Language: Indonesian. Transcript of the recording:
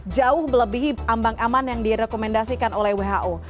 jauh melebihi ambang aman yang direkomendasikan oleh who